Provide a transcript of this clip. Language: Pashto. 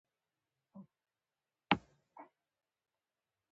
منډلینډ د پاڅونونو زړه وو.